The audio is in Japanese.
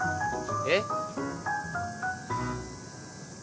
えっ？